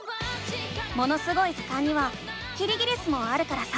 「ものすごい図鑑」にはキリギリスもあるからさ